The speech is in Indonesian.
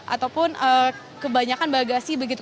ataupun kebanyakan bagasi begitu